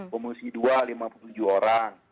komisi dua lima puluh tujuh orang